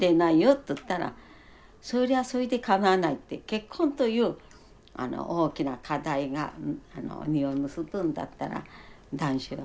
つったら「そりゃそいでかまわない」って「結婚という大きな課題が実を結ぶんだったら断種がいい」。